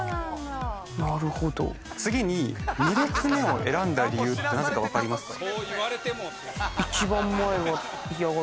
次に２列目を選んだ理由ってなぜか分かりますか？